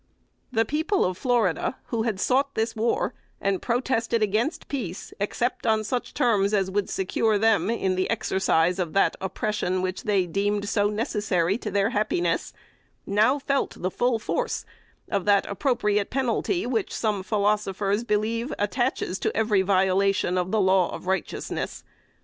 The people of Florida who had sought this war, and protested against peace except on such terms as would secure them in the exercise of that oppression which they deemed so necessary to their happiness, now felt the full force of that appropriate penalty which some philosophers believe attaches to every violation of the law of righteousness.